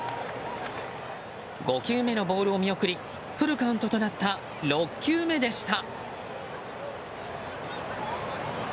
５球目のボールを見送りフルカウントとなった６球目でした。